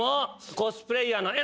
コスプレイヤーのえ